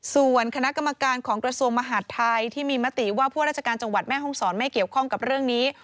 ส่วนคณะกรรมการของกระทรวงมหาดไทยที่มีมติว่าผู้ราชการจังหวัดแม่ห้องศรไม่เกี่ยวข้องกับเรื่องนี้